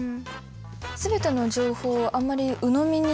全ての情報をあんまりうのみにしちゃ。